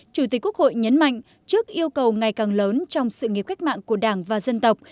chủ tịch quốc hội nhấn mạnh trước yêu cầu ngày càng lớn trong sự nghiệp cách mạng của đảng và dân tộc